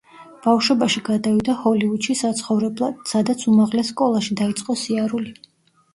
ბავშვობაში გადავიდა ჰოლივუდში საცხოვრებლად სადაც უმაღლეს სკოლაში დაიწყო სიარული.